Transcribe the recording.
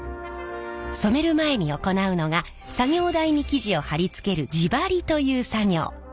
染める前に行うのが作業台に生地を貼り付ける地貼りという作業。